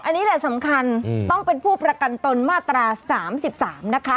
อันนี้แหละสำคัญต้องเป็นผู้ประกันตนมาตรา๓๓นะคะ